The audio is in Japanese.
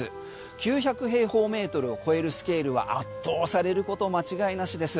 ９００平方メートルを超えるスケールは圧倒されること間違いなしです。